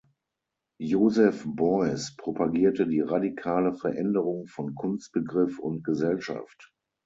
Joseph Beuys propagierte die radikale Veränderung von Kunstbegriff und Gesellschaft.